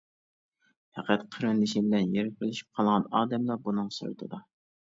پەقەت قېرىندىشى بىلەن يىرىكلىشىپ قالغان ئادەملا بۇنىڭ سىرتىدا.